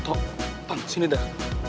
tuh pang sini dah